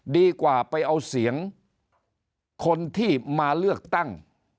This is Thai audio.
ดีกว่าไปเอาเสียงคนที่มาเลือกตั้ง